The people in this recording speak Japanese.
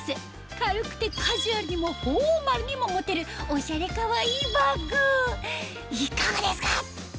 軽くてカジュアルにもフォーマルにも持てるオシャレかわいいバッグいかがですか？